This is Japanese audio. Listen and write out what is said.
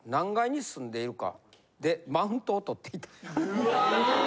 うわ！